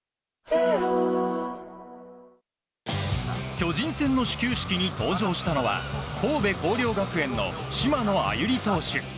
巨人戦の始球式に登場したのは神戸弘陵学園の島野愛友利投手。